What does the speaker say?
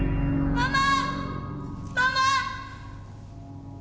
ママ！